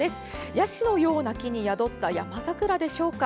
ヤシのような木に宿った山桜でしょうか。